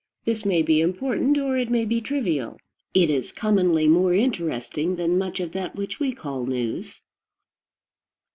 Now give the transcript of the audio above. This may be important, or it may be trivial: it is commonly more interesting than much of that which we call news.